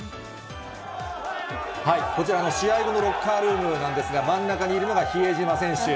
こちら、試合後のロッカールームなんですが、真ん中にいるのが比江島選手。